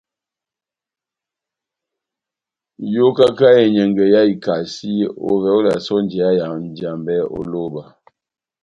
Yokaka enyɛngɛ yá ikasi, ó ovɛ olasɛ ó njeyá ya Njambɛ ó lóba.